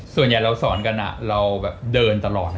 ส่วนใหญ่เราสอนกันเราแบบเดินตลอด